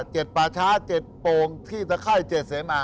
เจ็ดปาชาติเจ็ดโปรงที่สะไข้เจ็ดเสมอ